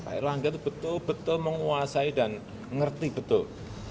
pak erlangga itu betul betul menguasai dan ngerti betul